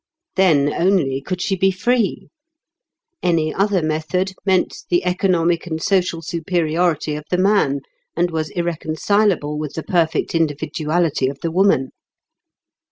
Then only could she be free. Any other method meant the economic and social superiority of the man, and was irreconcilable with the perfect individuality of the woman.